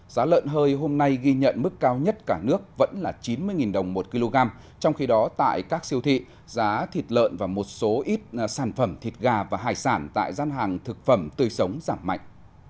giá lợn hơi hôm nay ghi nhận mức cao nhất cả nước vẫn là chín mươi đồng một kg trong khi đó tại các siêu thị giá thịt lợn và một số ít sản phẩm thịt gà và hải sản tại gian hàng thực phẩm tươi sống giảm mạnh